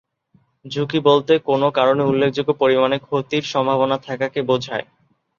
ঝুঁকি বলতে কোনও কারণে উল্লেখযোগ্য পরিমাণে ক্ষতির সম্ভাবনা থাকাকে বোঝায়।